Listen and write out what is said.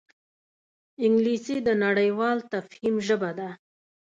انګلیسي د نړیوال تفهیم ژبه ده